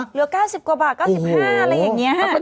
เหลือ๙๐กว่าบาท๙๕อะไรอย่างนี้